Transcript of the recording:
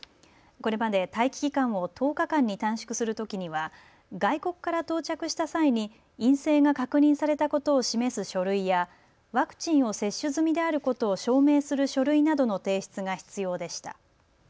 これまで待機期間を１０日間に短縮するときには外国から到着した際に陰性が確認されたことを示す書類やワクチンを接種済みであることを証明する書類などの提出が必要でした。